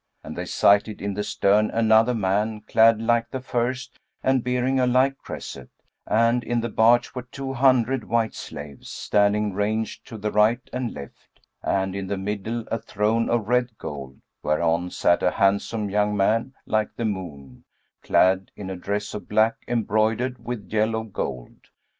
And they sighted in the stern another man, clad like the first and bearing a like cresset, and in the barge were two hundred white slaves, standing ranged to the right and left; and in the middle a throne of red gold, whereon sat a handsome young man, like the moon, clad in a dress of black, embroidered with yellow gold.